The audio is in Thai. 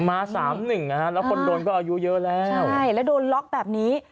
มา๓๑และคนโดนก็อายุเยอะแล้วใช่และโดนล็อกแบบนี้